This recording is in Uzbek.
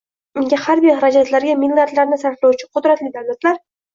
Nega harbiy xarajatlarga milliardlarni sarflovchi qudratli davlatlar